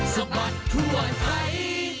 สะบัดทั่วไทย